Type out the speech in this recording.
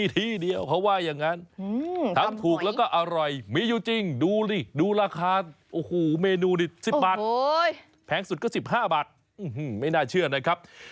ที่นี่ไงนี่แหละที่นี่ที่เดียว